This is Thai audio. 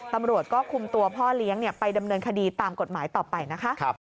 ตำรวจก็คุมตัวพ่อเลี้ยงไปดำเนินคดีตามกฎหมายต่อไปนะคะ